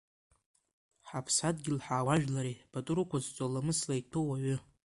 Ҳаԥсадгьыли ҳауаажәлари пату рықәызҵо, ламысла иҭәу ауаҩы…